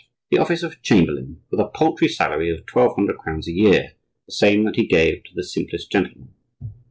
The office of chamberlain, with a paltry salary of twelve hundred crowns a year, the same that he gave to the simplest gentlemen.